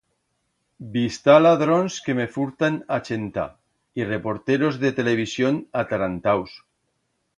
Bi'stá ladrons que me furtan a chenta y reporteros de televisión atarantaus.